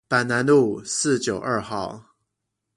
板南路四九二號